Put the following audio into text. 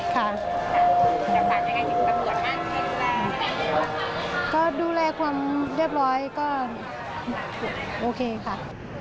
ก็ดูแลความเรียบร้อยก็โอเคค่ะ